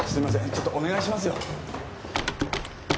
ちょっとお願いしますよ。